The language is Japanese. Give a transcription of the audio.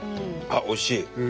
あっおいしい！